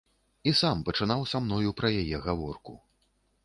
І сам пачынаў са мною пра яе гаворку.